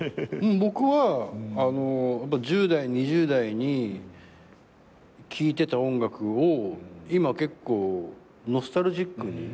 僕は１０代２０代に聞いてた音楽を今結構ノスタルジックに。